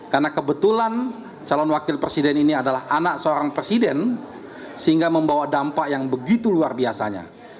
karena kebetulan calon wakil presiden ini adalah anak seorang presiden sehingga membawa dampak yang begitu luar biasanya